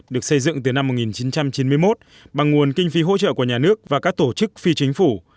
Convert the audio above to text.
được xây dựng từ năm một nghìn chín trăm chín mươi một bằng nguồn kinh phí hỗ trợ của nhà nước và các tổ chức phi chính phủ